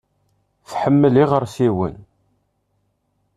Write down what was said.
Tḥemmel iɣersiwen.